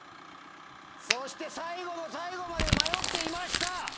そして最後の最後まで迷っていました